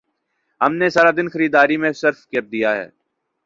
ہم نے سارا دن خریداری میں صرف کر دیا